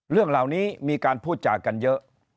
เรื่องเหล่านี้มีการพูดจากันเยอะ